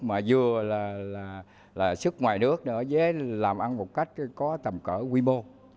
mà vừa là sức ngoài nước để làm ăn một cách có tầm cỡ quý bô